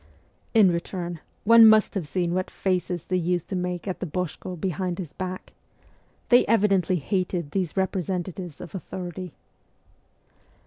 In return, one must have seen what ' faces ' they used to make at the boshkd behind his back ! They evidently hated these representatives of authority.